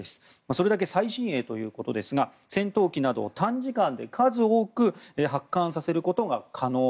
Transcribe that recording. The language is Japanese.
それだけ最新鋭ということですが戦闘機など短時間で数多く発艦させることが可能。